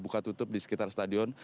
buka tutup di sekitar stadion